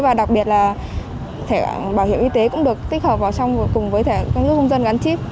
và đặc biệt là thẻ bảo hiểm y tế cũng được tích hợp vào trong cùng với thẻ bảo hiểm y tế